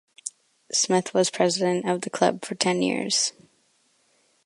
Smith was president of the club for ten years.